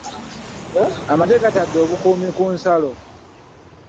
Amagye gatadde obukuumi ku nsalo.